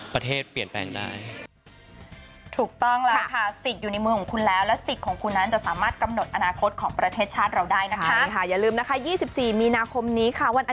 ประเทศเปลี่ยนแปลงได้